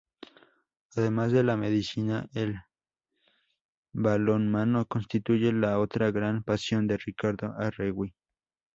Además de la Medicina, el balonmano constituye la otra gran pasión de Ricardo Arregui.